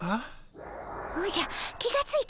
おじゃ気がついたかの。